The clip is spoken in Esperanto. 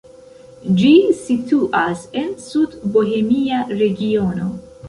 Ĝi situas en Sudbohemia regiono.